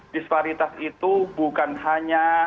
disparitas itu bukan hanya